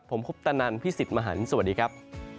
ผมคุปตะนันพี่สิทธิ์มหันฯสวัสดีครับ